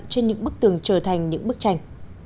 trên những bức tường trở thành những bức tranh